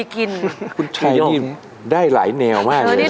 คุณชูได้หลายแนวมากเลย